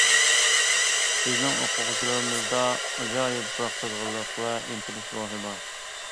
بىزنىڭ ئوقۇغۇچىلىرىمىزدا ئاجايىپ بىر قىزغىنلىق ۋە ئىنتىلىش روھى بار.